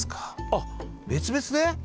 あっ別々で？